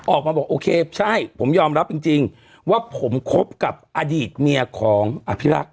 ออกมาบอกโอเคใช่ผมยอมรับจริงว่าผมคบกับอดีตเมียของอภิรักษ